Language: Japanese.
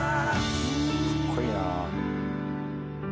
かっこいいな。